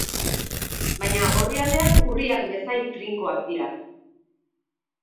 Baina orrialdeak urriak bezain trinkoak dira.